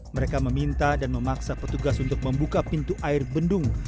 mereka meminta dan memaksa petugas untuk membuka pintu air bendung